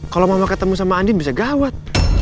kalau mama ketemu sama andin bisa gawat